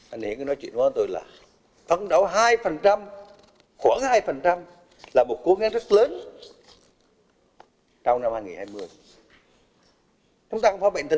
anh ấy cứ nói chuyện với tôi là phấn đấu hai khoảng hai là một cố gắng rất lớn trong năm hai nghìn hai mươi